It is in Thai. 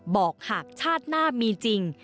บอกหากชาติหน้ามีจริง